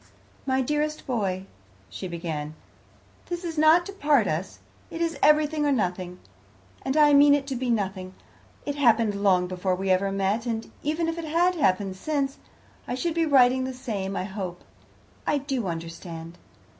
"My dearest boy," she began, "this is not to part us. It is everything or nothing, and I mean it to be nothing. It happened long before we ever met, and even if it had happened since, I should be writing the same, I hope. I do understand."